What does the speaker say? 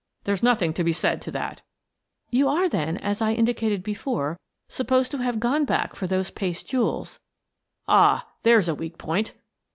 There's nothing to be said to that/' " You are, then, as I indicated before, supposed to have gone back for those paste jewels —"" Ah, there's a weak point